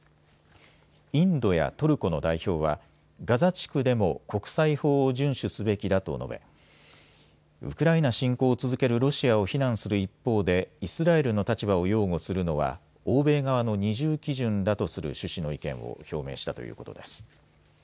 インドやトルコの代表はガザ地区でも国際法を順守すべきだと述べウクライナ侵攻を続けるロシアを非難する一方でイスラエルの立場を擁護するのは欧米側の二重基準だとする趣旨の意見を表明したということです。